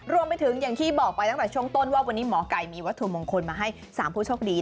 อย่างที่บอกไปตั้งแต่ช่วงต้นว่าวันนี้หมอไก่มีวัตถุมงคลมาให้๓ผู้โชคดี